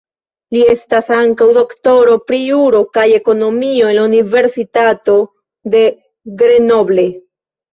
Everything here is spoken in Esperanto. Il estas ankaŭ doktoro pri juro kaj ekonomiko en la Universitato de Grenoble.